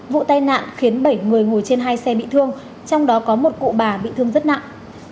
vụ tai nạn khiến bảy người ngồi trên hai xe bị thương trong đó có một cụ bà bị thương rất nặng